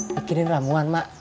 bikinin ramuan mak